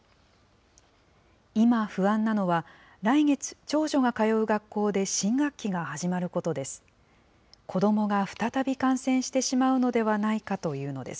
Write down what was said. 今、不安なのは、来月、長女が通う学校で新学期が始まることです。